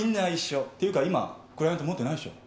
て言うか今クライアント持ってないでしょ？